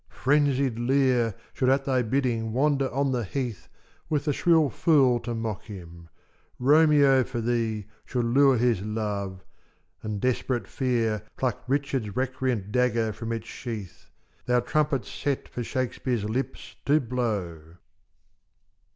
frenzied Lear Should at thy bidding wander on the heath With the shrill fool to mock him, Romeo For thee should lure his love, and desperate fear Pluck Richard's recreant dagger from its sheath— Thou trumpet set for Shakespeare's lips to blow!